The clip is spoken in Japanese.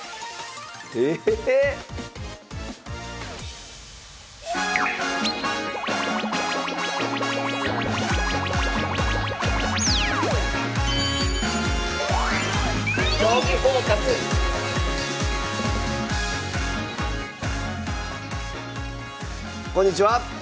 ⁉ええ⁉こんにちは。